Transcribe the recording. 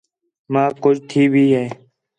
ماک کُج تِھیا بھی ہِے